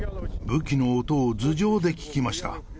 武器の音を頭上で聞きました。